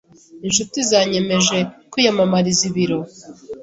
inshuti zanyemeje kwiyamamariza ibiro,